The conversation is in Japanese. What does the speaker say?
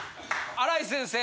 荒井先生